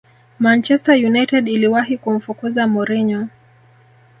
manchester united iliwahi kumfukuza mourinho